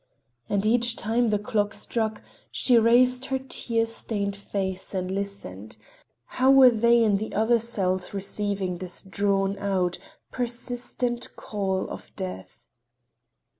And each time the clock struck she raised her tear stained face and listened—how were they in the other cells receiving this drawn out, persistent call of death?